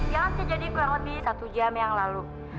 yang terjadi kurang lebih satu jam yang lalu